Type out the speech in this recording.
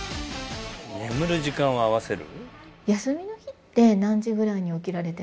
眠る時間を合わせる？